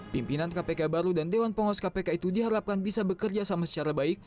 pimpinan kpk baru dan dewan pengawas kpk itu diharapkan bisa bekerja sama secara baik